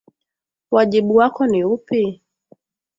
Wajibu wako ni upi?